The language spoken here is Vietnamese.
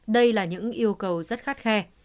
đây là những yêu cầu rất khát khe